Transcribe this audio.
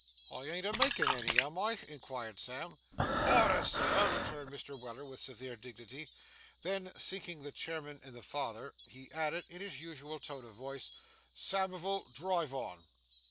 'I ain't a makin' any, am I?' inquired Sam. 'Order, sir!' rejoined Mr. Weller, with severe dignity. Then, sinking the chairman in the father, he added, in his usual tone of voice: 'Samivel, drive on!